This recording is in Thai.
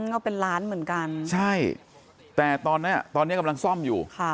เอาเป็นร้านเหมือนกันใช่แต่ตอนนี้กำลังซ่อมอยู่